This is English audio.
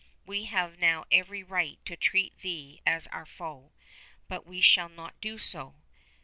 "We have now every right to treat thee as our foe; but we shall not do so!